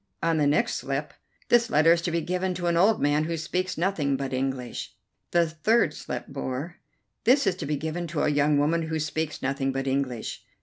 On the next slip: "This letter is to be given to an old man who speaks nothing but English." The third slip bore: "This is to be given to a young woman who speaks nothing but English."